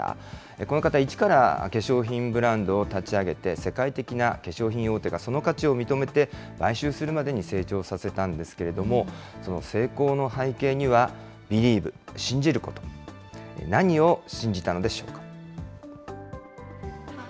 この方、一から化粧品ブランドを立ち上げて、世界的な化粧品大手がその価値を認めて、買収するまでに成長したんですけれども、その成功の背景には、Ｂｅｌｉｅｖｅ、信じること、何を信じたのでしょうか。